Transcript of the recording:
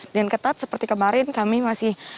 dengan ketat seperti kemarin kami masih